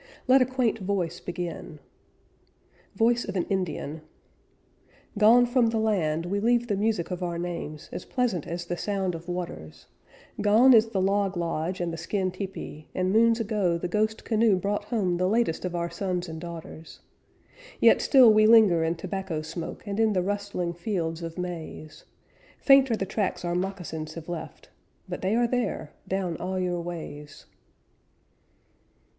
Let a quaint voice begin: Voice of an Indian "Gone from the land, We leave the music of our names, As pleasant as the sound of waters; Gone is the log lodge and the skin tepee, And moons ago the ghost canoe brought home The latest of our sons and daughters Yet still we linger in tobacco smoke And in the rustling fields of maize; Faint are the tracks our moccasins have left, But they are there, down all your ways."